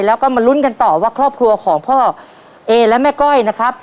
แล้วก็มาลุ้นกันต่อว่าครอบครัวของพ่อเอและแม่ก้อยนะครับ